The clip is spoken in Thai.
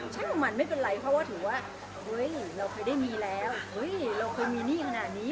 ใช่ของมันไม่เป็นไรเพราะว่าถือว่าเฮ้ยเราเคยได้มีแล้วเฮ้ยเราเคยมีหนี้ขนาดนี้